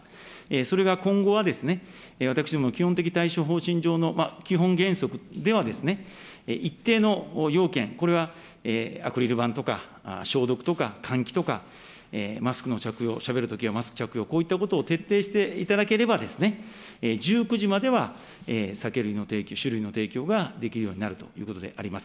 それが今後は、私どもの基本的対処方針上の基本原則では、一定の要件、これはアクリル板とか消毒とか換気とか、マスクの着用、しゃべるときはマスク着用、こういったことを徹底していただければ、１９時までは酒類の提供、酒類の提供ができるようになるということであります。